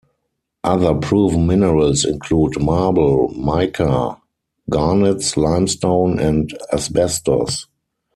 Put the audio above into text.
Other proven minerals include marble, mica, garnets, limestone, and asbestos.